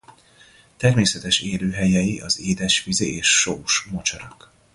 Természetes élőhelyei a édesvízi és sós mocsarak.